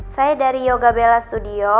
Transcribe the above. saya dari yoga bella studio